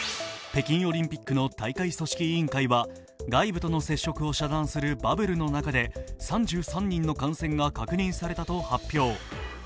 北京オリンピックの大会組織委員会は、外部との接触を遮断するバブルの中で３３人の感染が確認されたと発表。